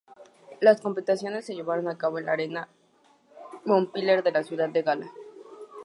Las competiciones se llevaron a cabo en la Arena Montpellier de la ciudad gala.